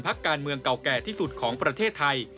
การเมืองเก่าแก่ที่สุดของประเทศไทย